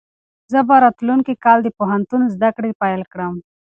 زه به راتلونکی کال د پوهنتون زده کړې پیل کړم.